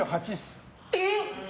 えっ！